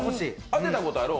当てたことある？